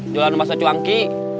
jualan basso cuanki